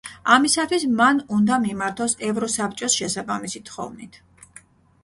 ამისათვის მან უნდა მიმართოს ევროსაბჭოს შესაბამისი თხოვნით.